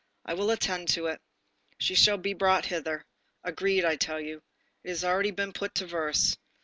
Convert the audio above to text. I will attend to it. She shall be brought hither. Agreed, I tell you. It has already been put into verse.